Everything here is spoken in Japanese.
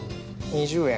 ２０円